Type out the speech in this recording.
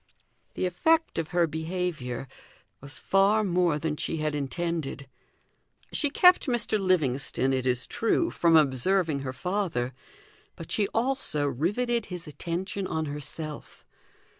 The effect of her behaviour was far more than she had intended. She kept Mr. Livingstone, it is true, from observing her father, but she also riveted his attention on herself.